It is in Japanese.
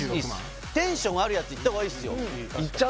テンションあるやついった方がいいっすよ